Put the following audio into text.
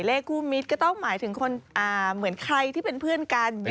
เลขคู่มิตรก็ต้องหมายถึงคนเหมือนใครที่เป็นเพื่อนกัน